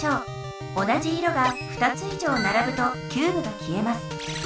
同じ色が２つ以上ならぶとキューブが消えます。